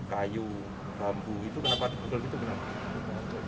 kayu bambu itu kenapa digugel gitu